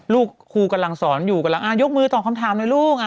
ลูกครูกำลังสอนอยู่กำลังยกมือตอบคำถามเลยลูก